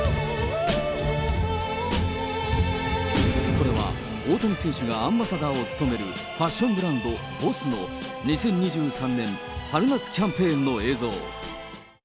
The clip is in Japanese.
これは大谷選手がアンバサダーを務めるファッションブランド、ＢＯＳＳの２０２３年春夏キャンペーンの映像。